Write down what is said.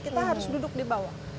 kita harus duduk di bawah